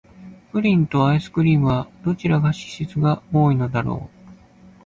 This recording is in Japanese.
プリンとアイスクリームは、どちらが脂質が多いのだろう。